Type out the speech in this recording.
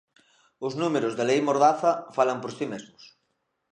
Os números da "Lei mordaza" falan por si mesmos.